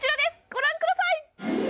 ご覧ください！